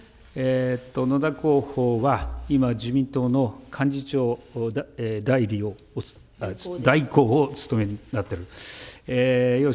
野田候補は今、自民党の幹事長代理を、代行をお務めになっています。